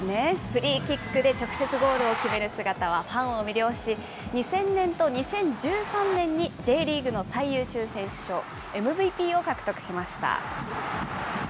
フリーキックで直接ゴールを決める姿はファンを魅了し、２０００年と２０１３年にＪリーグの最優秀選手賞、ＭＶＰを獲得しました。